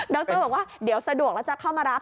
รบอกว่าเดี๋ยวสะดวกแล้วจะเข้ามารับ